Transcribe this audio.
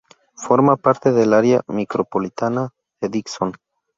Forma parte del área micropolitana de Dixon.